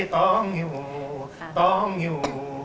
ตรงหิวตรงหิว